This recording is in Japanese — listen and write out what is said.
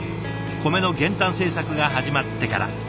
米の減反政策が始まってから。